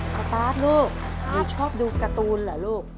สตาร์ทลูกตาชอบดูการ์ตูนเหรอลูก